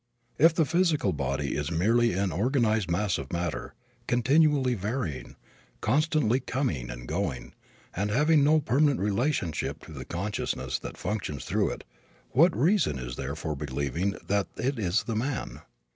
If the physical body is merely an organized mass of matter, continually varying, constantly coming and going, and having no permanent relationship to the consciousness that functions through it, what reason is there for believing that it is the man?